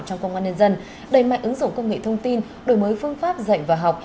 trong công an nhân dân đẩy mạnh ứng dụng công nghệ thông tin đổi mới phương pháp dạy và học